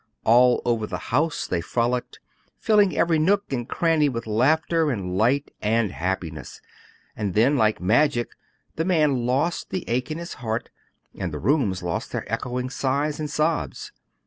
All over the house they frolicked, filling every nook and cranny with laughter and light and happiness. And then, like magic, the man lost the ache in his heart, and the rooms lost their echoing sighs and sobs.